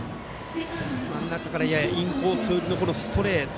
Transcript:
真ん中からインコース寄りのストレート。